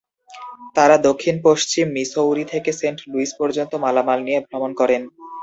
তারা দক্ষিণ-পশ্চিম মিসৌরি থেকে সেন্ট লুইস পর্যন্ত মালামাল নিয়ে ভ্রমণ করেন।